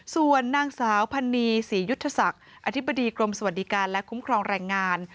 ส่วนนางสาวพันนีศรียุทธศักดิ์อธิบดีกรมสวัสดิการและคุ้มครองแรงงาน